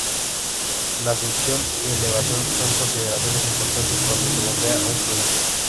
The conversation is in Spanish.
La succión y elevación son consideraciones importantes cuando se bombea un fluido.